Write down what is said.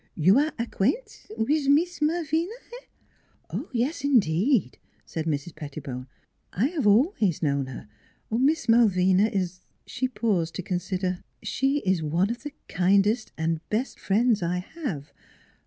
" You are acquaint' wiz Mees Malvina eh?" " Yes, indeed," said Mrs. Pettibone. " I have always known her. Miss Malvina is " She paused to consider: " She is one of the kindest and best friends I have.